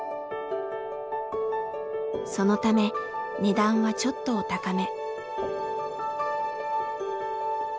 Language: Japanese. そのため値段はちょっとお高め。